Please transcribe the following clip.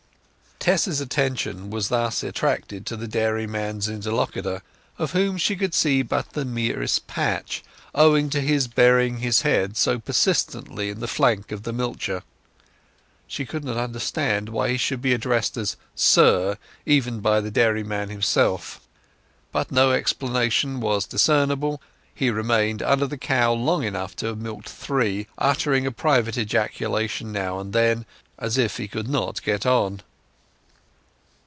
Tess's attention was thus attracted to the dairyman's interlocutor, of whom she could see but the merest patch, owing to his burying his head so persistently in the flank of the milcher. She could not understand why he should be addressed as "sir" even by the dairyman himself. But no explanation was discernible; he remained under the cow long enough to have milked three, uttering a private ejaculation now and then, as if he could not get on.